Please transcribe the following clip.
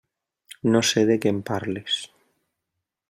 No sé de què em parles.